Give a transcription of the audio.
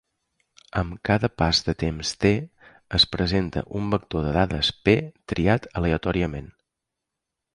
Amb cada pas de temps "t", es presenta un vector de dades "P" triat aleatòriament.